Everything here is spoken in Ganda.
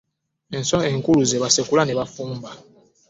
Enswa enkalu ze basekula ne bafumba.